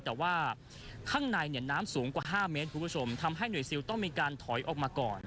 แต่ว่าข้างในเนี่ยน้ำสูงกว่า๕เมตรคุณผู้ชมทำให้หน่วยซิลต้องมีการถอยออกมาก่อน